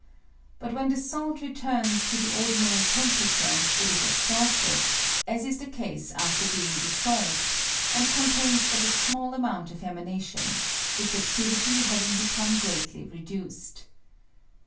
But when the salt returns to the ordinary temperature it is exhausted, as is the case after being dissolved, and contains but a small amount of emanation, its aftivity having become greatly reduced.